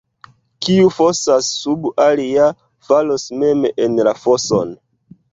Kiu fosas sub alia, falos mem en la foson.